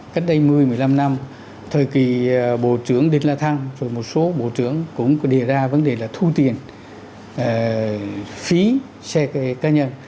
cách đây một mươi một mươi năm năm thời kỳ bộ trưởng định lạ thăng rồi một số bộ trưởng cũng đề ra vấn đề là thu tiền phí xe cơ nhân